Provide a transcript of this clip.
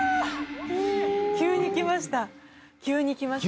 急にきました。